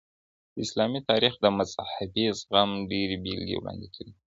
اسلامي تاريخ د مذهبي زغم ډيري بيلګې وړاندې کړي دي.